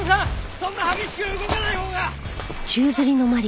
そんな激しく動かないほうが！